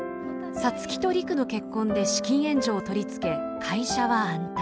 皐月と陸の結婚で資金援助を取りつけ会社は安泰。